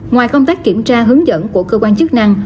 ngoài công tác kiểm tra hướng dẫn của cơ quan chức năng